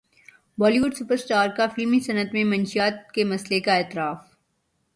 بولی would super star کا فلمی صنعت میں منشیات کے مسئلے کا اعتراف